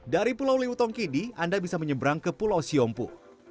dari pulau liutongkidi anda bisa menyeberang ke pulau siompu